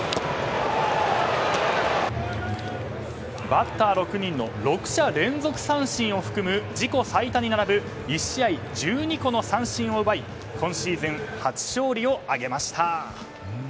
バッター６人の６者連続三振を含む自己最多に並ぶ１試合１２個の三振を奪い今シーズン初勝利を挙げました。